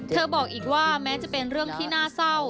บอกอีกว่าแม้จะเป็นเรื่องที่น่าเศร้า